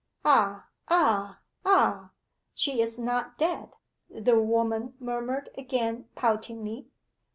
'Ah ah ah she is not dead,' the woman murmured again poutingly.